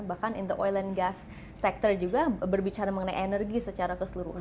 bahkan in the oil and gas sector juga berbicara mengenai energi secara keseluruhan